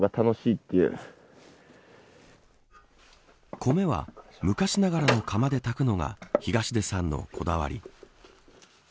米は昔ながらの釜で炊くのが東出さんのこだわり。